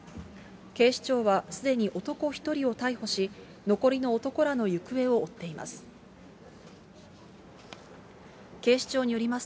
警視庁はすでに男１人を逮捕し、残りの男らの行方を追っています。